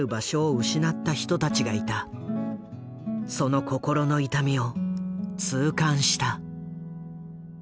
その心の痛みを痛感した。